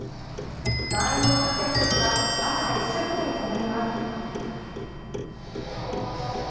満員の観客席は赤一色に染まります。